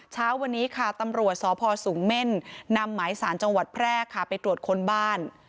เช้าวันนี้ค่ะตำรวจสพสูงเม่นนำหมายสารจังหวัดแพร่ค่ะไปตรวจค้นบ้าน